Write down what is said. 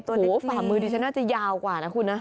โอ้โหฝ่ามือดิฉันน่าจะยาวกว่านะคุณนะ